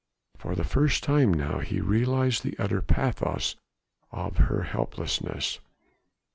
For the first time now he realized the utter pathos of her helplessness.